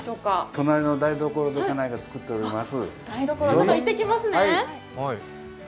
隣の台所で家内が作っております。